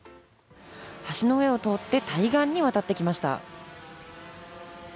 橋の上を通って対岸に渡ってきました。